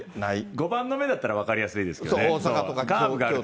碁盤の目だったら分かりやすいですけどね。